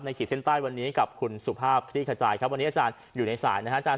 ขีดเส้นใต้วันนี้กับคุณสุภาพคลี่ขจายครับวันนี้อาจารย์อยู่ในสายนะครับอาจาร